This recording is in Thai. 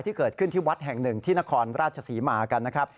ที่เกิดขึ้นที่วัดแห่งหนึ่งที่นครราชศรีมากันนะครับ